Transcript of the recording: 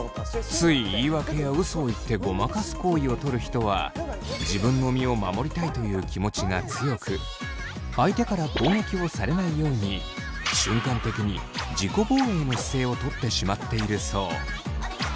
つい言い訳やうそを言ってごまかす行為をとる人は自分の身を守りたいという気持ちが強く相手から攻撃をされないように瞬間的に自己防衛の姿勢をとってしまっているそう。